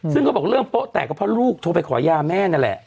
ซึ่งเขาบอกเรื่องโป๊ะแตกก็เพราะลูกโทรไปขอยาแม่นั่นแหละ